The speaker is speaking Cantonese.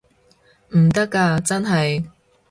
唔得啊真係